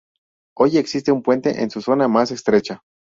Hoy existe un puente en su zona más estrecha.